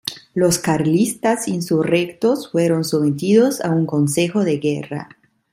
Los carlistas insurrectos fueron sometidos a un consejo de guerra.